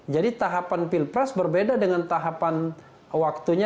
jadi tahapan pilpres berbeda dengan tahapan waktunya